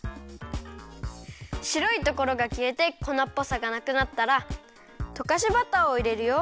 しろいところがきえてこなっぽさがなくなったらとかしバターをいれるよ。